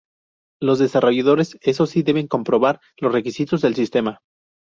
Los desarrolladores, eso sí, deben comprobar los requisitos del sistema.